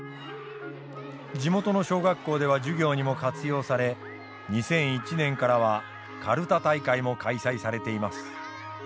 地元の小学校では授業にも活用され２００１年からはかるた大会も開催されています。